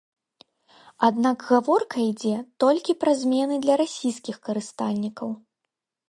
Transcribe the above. Аднак гаворка ідзе толькі пра змены для расійскіх карыстальнікаў.